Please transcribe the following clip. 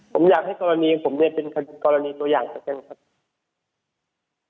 ผมอยากให้กรณีผมเป็นกรณีตัวอย่างสักอย่างครับ